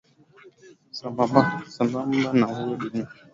sambabmba na huyo dunia ilishuhudia kiongozi mwingine